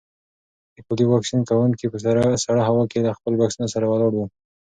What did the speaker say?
د پولیو واکسین کونکي په سړه هوا کې له خپلو بکسونو سره ولاړ وو.